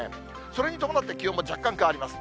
それに伴って、気温も若干変わります。